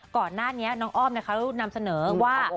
ก่อนหน้านี้น้องอ้อมเขานำเสนอว่า